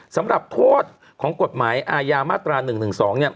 สำหรับโทษของกฎหมายอาญามาตรา๑๑๒เนี่ย